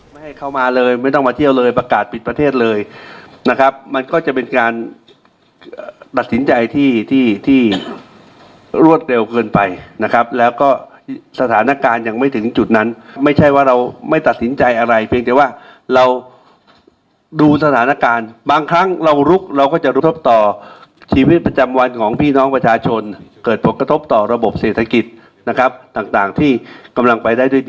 ไม่ให้เข้ามาเลยไม่ต้องมาเที่ยวเลยประกาศปิดประเทศเลยนะครับมันก็จะเป็นการตัดสินใจที่ที่รวดเร็วเกินไปนะครับแล้วก็สถานการณ์ยังไม่ถึงจุดนั้นไม่ใช่ว่าเราไม่ตัดสินใจอะไรเพียงแต่ว่าเราดูสถานการณ์บางครั้งเราลุกเราก็จะกระทบต่อชีวิตประจำวันของพี่น้องประชาชนเกิดผลกระทบต่อระบบเศรษฐกิจนะครับต่างที่กำลังไปได้ด้วยดี